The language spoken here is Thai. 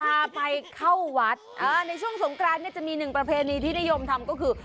พาไปเข้าวัดในช่วงสงกรานเนี่ยจะมีหนึ่งประเพณีที่นิยมทำก็คือ